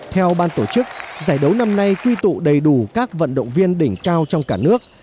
theo ban tổ chức giải đấu năm nay quy tụ đầy đủ các vận động viên đỉnh cao trong cả nước